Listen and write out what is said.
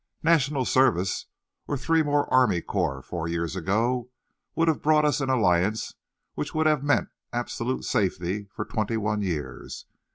National Service or three more army corps four years ago would have brought us an alliance which would have meant absolute safety for twenty one years.